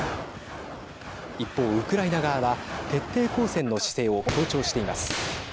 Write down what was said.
一方、ウクライナ側は徹底抗戦の姿勢を強調しています。